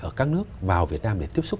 ở các nước vào việt nam để tiếp xúc